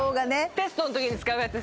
テストのときに使うやつ。